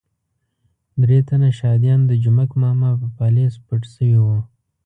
درې تنه شهادیان د جومک ماما په پالیز پټ شوي وو.